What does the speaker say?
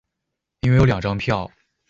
因为有两张票